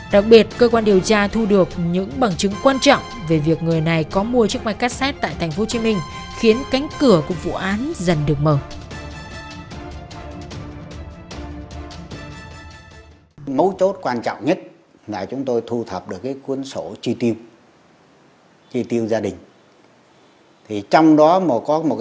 đặc biệt cơ quan điều tra thu được những bằng chứng quan trọng về việc người này có mua chiếc máy cassette tại tp hcm khiến cánh cửa của vụ án dần được mở